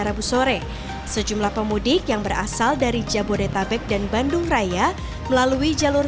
rabu sore sejumlah pemudik yang berasal dari jabodetabek dan bandung raya melalui jalur